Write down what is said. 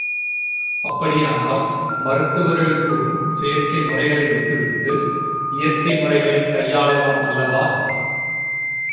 அப்படியானால் மருத்துவர்கள் கூறும் செயற்கை முறைகளை விட்டு விட்டு இயற்கை முறைகளைக் கையாளலாம் அல்லவா?